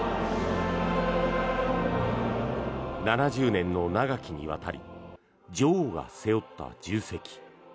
７０年の長きにわたり女王が背負った重責。